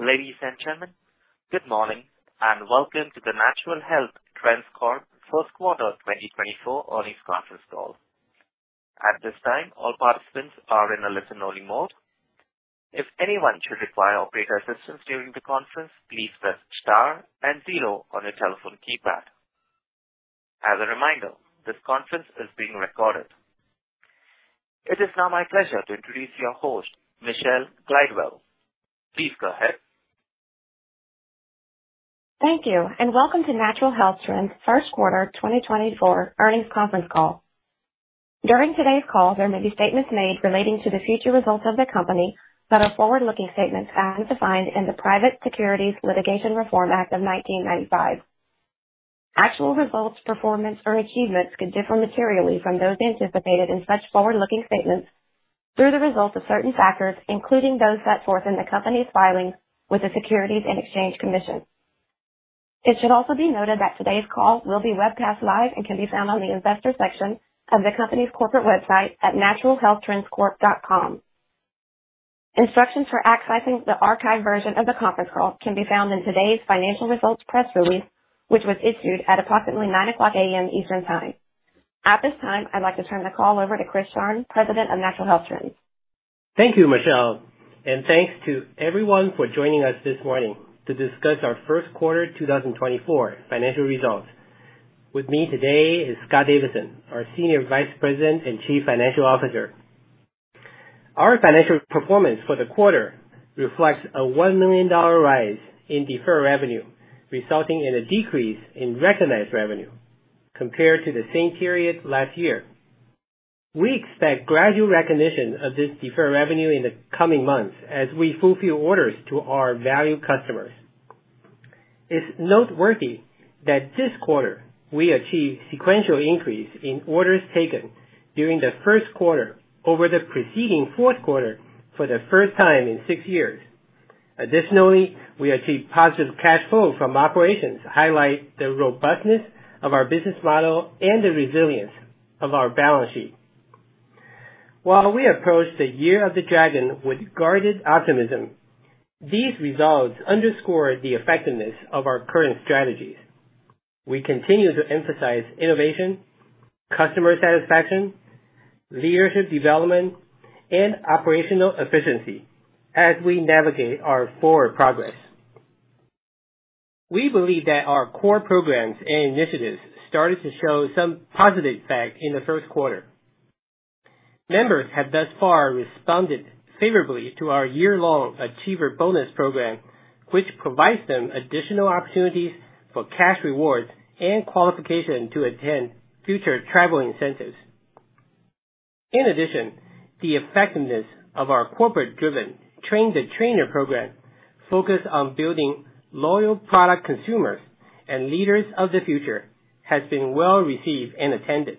Ladies and gentlemen, good morning and welcome to the Natural Health Trends Corp. first quarter 2024 earnings conference call. At this time, all participants are in a listen-only mode. If anyone should require operator assistance during the conference, please press star and zero on your telephone keypad. As a reminder, this conference is being recorded. It is now my pleasure to introduce your host, Michelle Glidewell. Please go ahead. Thank you, and welcome to Natural Health Trends first quarter 2024 earnings conference call. During today's call, there may be statements made relating to the future results of the company that are forward-looking statements as defined in the Private Securities Litigation Reform Act of 1995. Actual results, performance, or achievements could differ materially from those anticipated in such forward-looking statements through the result of certain factors, including those set forth in the company's filings with the Securities and Exchange Commission. It should also be noted that today's call will be webcast live and can be found on the Investor section of the company's corporate website at naturalhealthtrendscorp.com. Instructions for accessing the archived version of the conference call can be found in today's Financial Results Press Release, which was issued at approximately 9:00 A.M. Eastern Time. At this time, I'd like to turn the call over to Chris Sharng, President of Natural Health Trends. Thank you, Michelle, and thanks to everyone for joining us this morning to discuss our first quarter 2024 financial results. With me today is Scott Davidson, our Senior Vice President and Chief Financial Officer. Our financial performance for the quarter reflects a $1 million rise in deferred revenue, resulting in a decrease in recognized revenue compared to the same period last year. We expect gradual recognition of this deferred revenue in the coming months as we fulfill orders to our valued customers. It's noteworthy that this quarter we achieved sequential increase in orders taken during the first quarter over the preceding fourth quarter for the first time in six years. Additionally, we achieved positive cash flow from operations that highlight the robustness of our business model and the resilience of our balance sheet. While we approach the Year of the Dragon with guarded optimism, these results underscore the effectiveness of our current strategies. We continue to emphasize innovation, customer satisfaction, leadership development, and operational efficiency as we navigate our forward progress. We believe that our core programs and initiatives started to show some positive effect in the first quarter. Members have thus far responded favorably to our year-long Achiever Bonus Program, which provides them additional opportunities for cash rewards and qualification to attend future travel incentives. In addition, the effectiveness of our corporate-driven Train the Trainer program, focused on building loyal product consumers and leaders of the future, has been well received and attended.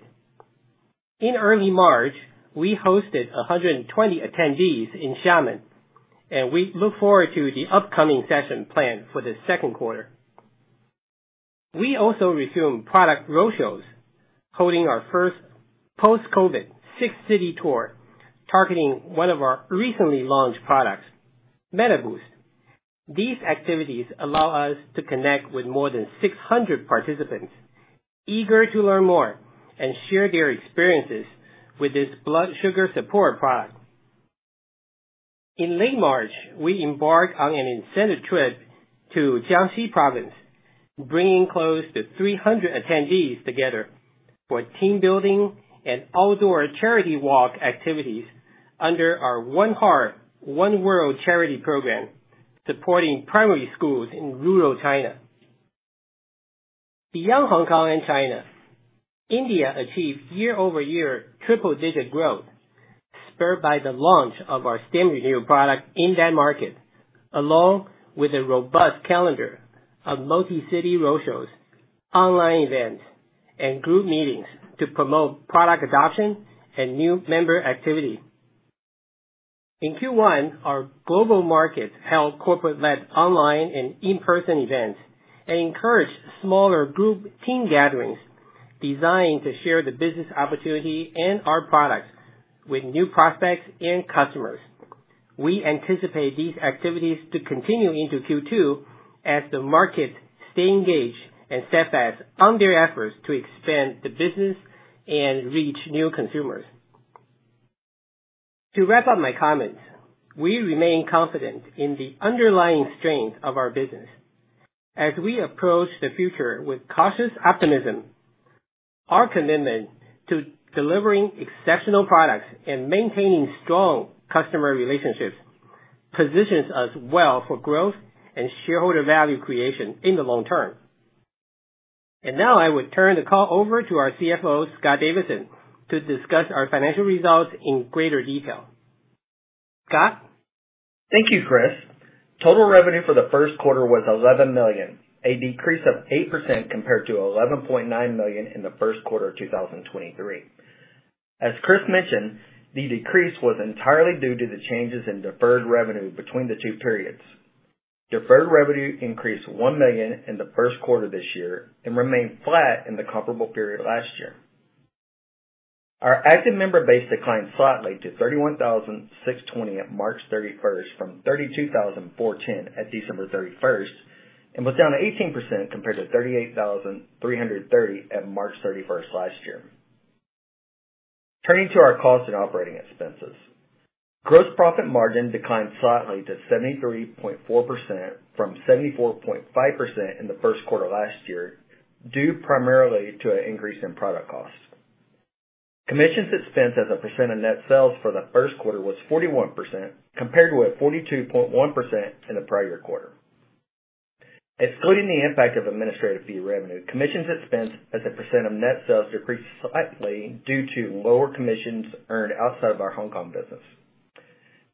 In early March, we hosted 120 attendees in Xiamen, and we look forward to the upcoming session planned for the second quarter. We also resume product roadshows, holding our first post-COVID Six City Tour targeting one of our recently launched products, MetaBoost. These activities allow us to connect with more than 600 participants eager to learn more and share their experiences with this blood sugar support product. In late March, we embark on an incentive trip to Jiangxi Province, bringing close to 300 attendees together for team-building and outdoor charity walk activities under our One Heart, One World charity program, supporting primary schools in rural China. Beyond Hong Kong and China, India achieved year-over-year triple-digit growth spurred by the launch of our StemRenu product in that market, along with a robust calendar of multi-city roadshows, online events, and group meetings to promote product adoption and new member activity. In Q1, our global markets held corporate-led online and in-person events and encouraged smaller group team gatherings designed to share the business opportunity and our products with new prospects and customers. We anticipate these activities to continue into Q2 as the markets stay engaged and step fast on their efforts to expand the business and reach new consumers. To wrap up my comments, we remain confident in the underlying strengths of our business. As we approach the future with cautious optimism, our commitment to delivering exceptional products and maintaining strong customer relationships positions us well for growth and shareholder value creation in the long term. Now I would turn the call over to our CFO, Scott Davidson, to discuss our financial results in greater detail. Scott? Thank you, Chris. Total revenue for the first quarter was $11 million, a decrease of 8% compared to $11.9 million in the first quarter of 2023. As Chris mentioned, the decrease was entirely due to the changes in deferred revenue between the two periods. Deferred revenue increased $1 million in the first quarter this year and remained flat in the comparable period last year. Our active member base declined slightly to 31,620 at March 31st from 32,410 at December 31st and was down 18% compared to 38,330 at March 31st last year. Turning to our cost and operating expenses, gross profit margin declined slightly to 73.4% from 74.5% in the first quarter last year due primarily to an increase in product costs. Commissions expense as a percent of net sales for the first quarter was 41% compared with 42.1% in the prior quarter. Excluding the impact of administrative fee revenue, commissions expense as a % of net sales decreased slightly due to lower commissions earned outside of our Hong Kong business.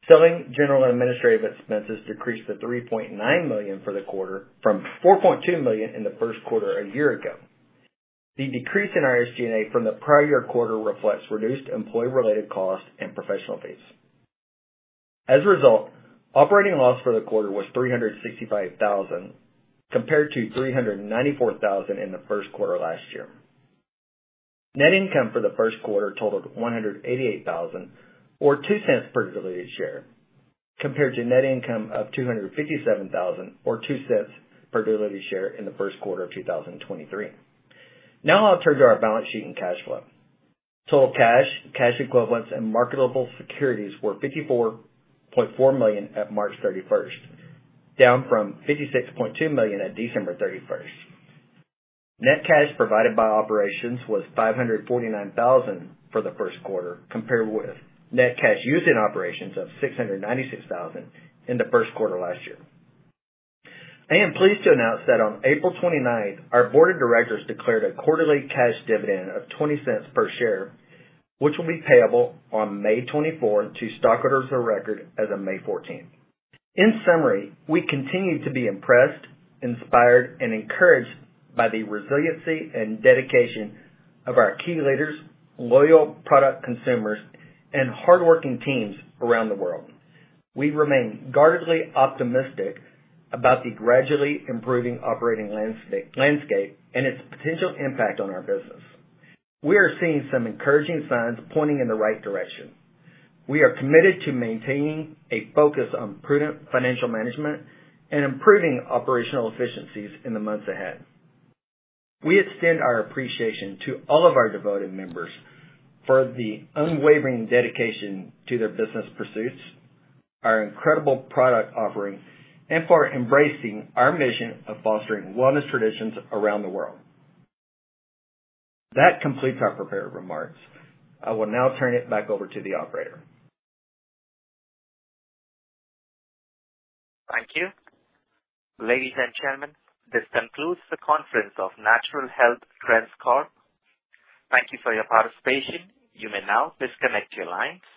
Selling, general, and administrative expenses decreased to $3.9 million for the quarter from $4.2 million in the first quarter a year ago. The decrease in our SG&A from the prior year quarter reflects reduced employee-related costs and professional fees. As a result, operating loss for the quarter was $365,000 compared to $394,000 in the first quarter last year. Net income for the first quarter totaled $188,000 or $0.02 per diluted share compared to net income of $257,000 or $0.02 per diluted share in the first quarter of 2023. Now I'll turn to our balance sheet and cash flow. Total cash, cash equivalents, and marketable securities were $54.4 million at March 31st, down from $56.2 million at December 31st. Net cash provided by operations was $549,000 for the first quarter compared with net cash used in operations of $696,000 in the first quarter last year. I am pleased to announce that on April 29th, our board of directors declared a quarterly cash dividend of $0.20 per share, which will be payable on May 24th to stockholders of record as of May 14th. In summary, we continue to be impressed, inspired, and encouraged by the resiliency and dedication of our key leaders, loyal product consumers, and hardworking teams around the world. We remain guardedly optimistic about the gradually improving operating landscape and its potential impact on our business. We are seeing some encouraging signs pointing in the right direction. We are committed to maintaining a focus on prudent financial management and improving operational efficiencies in the months ahead. We extend our appreciation to all of our devoted members for the unwavering dedication to their business pursuits, our incredible product offering, and for embracing our mission of fostering wellness traditions around the world. That completes our prepared remarks. I will now turn it back over to the operator. Thank you. Ladies and gentlemen, this concludes the conference of Natural Health Trends Corp. Thank you for your participation. You may now disconnect your lines.